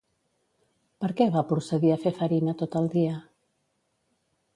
Per què va procedir a fer farina tot el dia?